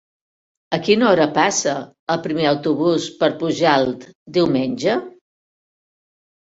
A quina hora passa el primer autobús per Pujalt diumenge?